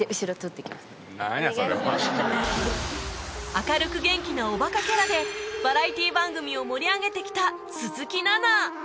明るく元気なおバカキャラでバラエティー番組を盛り上げてきた鈴木奈々